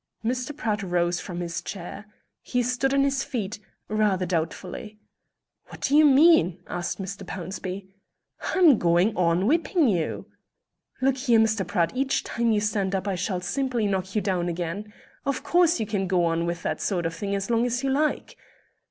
Mr. Pratt rose from his chair. He stood on his feet rather doubtfully. "What do you mean?" asked Mr. Pownceby. "I'm going on whipping you." "Look here, Mr. Pratt, each time you stand up I shall simply knock you down again. Of course you can go on with that sort of thing as long as you like."